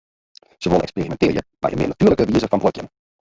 Se wolle eksperimintearje mei in mear natuerlike wize fan buorkjen.